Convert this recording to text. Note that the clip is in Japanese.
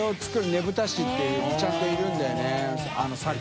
ねぶた師っていうちゃんといるんだよね作家。